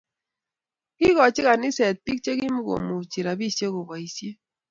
Kikochi kaniset biik chikimko muchi rabisiek koboisie